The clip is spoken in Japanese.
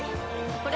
これ！